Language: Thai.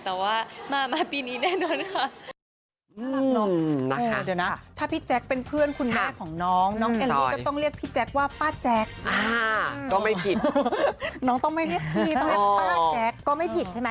แต่ว่ามาปีนี้แน่นอนค่ะ